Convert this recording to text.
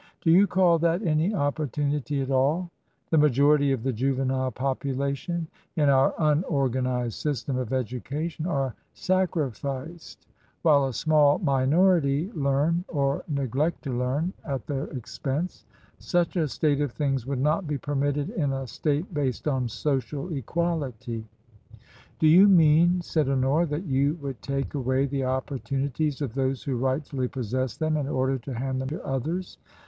Do you call that any opportunity at all ? The majority of the juvenile popu lation in our unorganized system of education are sacri ficed^ while a small minority learn (or neglect to learn) 15* I 174 TRANSITION. at their expense. Such a state of things would not be permitted in a state based on Social Equality/' Do you mean/' said Honora, " that you would take away the opportunities of those who rightfully possess them in order to hand them to others